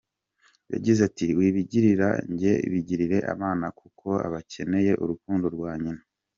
Yagize ati, “Wibigirira njye, bigirire abana kuko bakeneye urukundo rwa nyina”.